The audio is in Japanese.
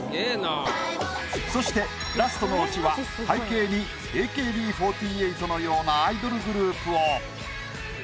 そしてラストのオチは背景にＡＫＢ４８のようなアイドルグループを。